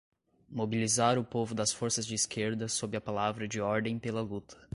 mobilizar o povo das forças de esquerda sob a palavra de ordem pela luta